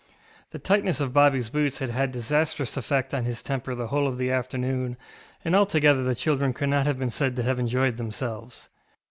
The tightness of BobbyŌĆÖs boots had had disastrous effect on his temper the whole of the afternoon, and altogether the children could not have been said to have enjoyed themselves.